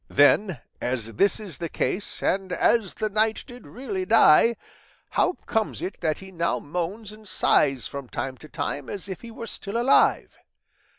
Then, as this is the case, and as the knight did really die, how comes it that he now moans and sighs from time to time, as if he were still alive?